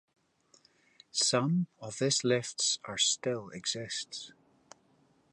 Some of this lifts are still exists.